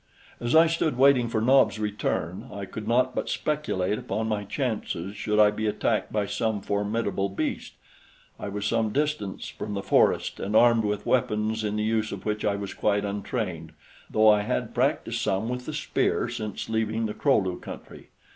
As I stood waiting for Nobs' return, I could not but speculate upon my chances should I be attacked by some formidable beast. I was some distance from the forest and armed with weapons in the use of which I was quite untrained, though I had practiced some with the spear since leaving the Kro lu country.